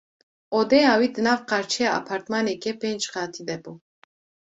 Odeya wî di nav qarçeyê apartmaneke pênc qatî de bû.